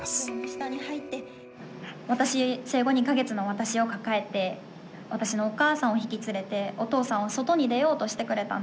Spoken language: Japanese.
私生後２か月の私を抱えて私のお母さんを引き連れてお父さんは外に出ようとしてくれたんですよ。